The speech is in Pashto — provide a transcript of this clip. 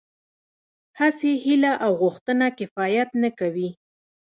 هسې هيله او غوښتنه کفايت نه کوي.